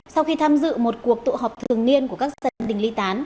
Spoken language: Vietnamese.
sau khi tham dự một cuộc tụ họp thường niên của các gia đình ly tán